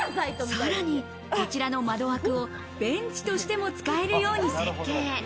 さらにこちらの窓枠をベンチとしても使えるように設計。